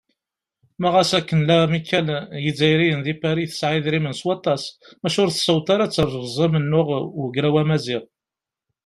Ma ɣas akken lamikkal n yizzayriyen di Pari tesɛa idrimen s waṭas, maca ur tessaweḍ ara ad teṛṛez amennuɣ n Ugraw Amaziɣ.